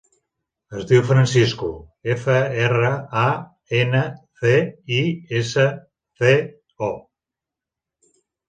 Es diu Francisco: efa, erra, a, ena, ce, i, essa, ce, o.